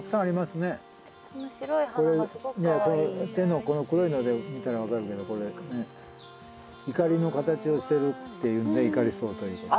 手のこの黒いので見たら分かるけどこれねいかりの形をしてるっていうんでイカリソウということで。